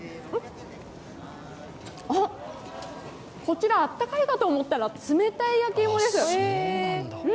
こちら、あったかいかと思ったら冷たい焼き芋です。